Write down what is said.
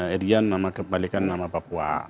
edian kembalikan nama papua